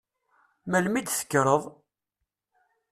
Melmi i d-tekkreḍ?